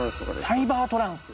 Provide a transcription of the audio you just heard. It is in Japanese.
サイバートランス！